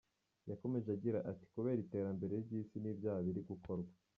Yakomeje agira ati :”Kubera iterambere ry’isi n’ibyaha biri gukorwa